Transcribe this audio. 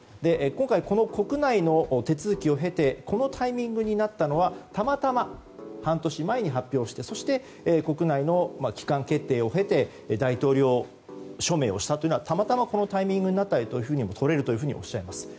今回、この国内の手続きを経てこのタイミングになったのはたまたま半年前に発表してそして、国内の機関決定を経て大統領署名をしたというのはたまたまこのタイミングになったととれるとおっしゃいます。